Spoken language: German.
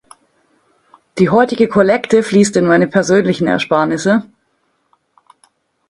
Die heutige Kollekte fließt in meine persönlichen Ersparnisse.